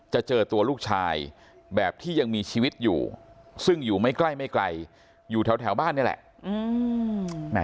เจอตัวลูกชายแบบที่ยังมีชีวิตอยู่ซึ่งอยู่ไม่ใกล้ไม่ไกลอยู่แถวบ้านนี่แหละ